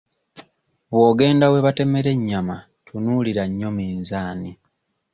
Bw'ogenda we batemera ennyama tunuulira nnyo minzaani.